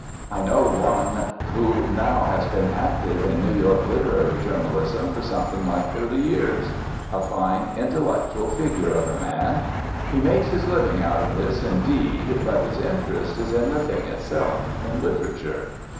I know one who now has been active in New York literary journalism for something like thirty years a fine intellectual figure of a man. He makes his living out of this, indeed, but his interest is in the thing itself, in literature.